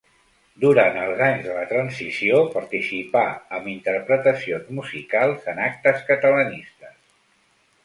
Durant els anys de la transició participà amb interpretacions musicals en actes catalanistes.